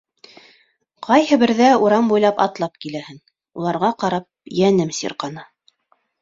Ҡайһы берҙә урам буйлап атлап киләһең, уларға ҡарап йәнем сирҡана.